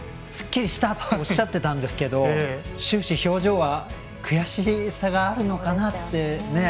すっきりしたとおっしゃってたんですが終始、表情は悔しさがあるのかなって